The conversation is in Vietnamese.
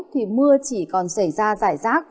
thì mưa chỉ còn xảy ra giải rác